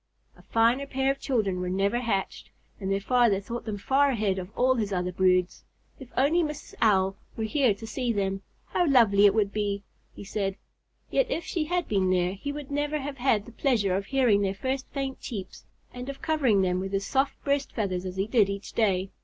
A finer pair of children were never hatched, and their father thought them far ahead of all his other broods. "If only Mrs. Owl were here to see them, how lovely it would be!" he said. Yet if she had been there he would never have had the pleasure of hearing their first faint cheeps, and of covering them with his soft breast feathers as he did each day.